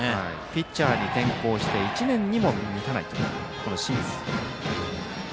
ピッチャーに転向して１年にも満たないという清水。